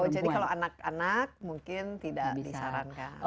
jadi kalau anak anak mungkin tidak disarankan